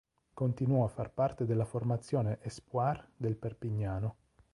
Continuò a far parte della formazione "Espoirs" del Perpignano.